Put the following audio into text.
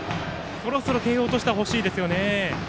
そろそろ慶応としては得点が欲しいですよね。